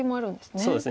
そうですね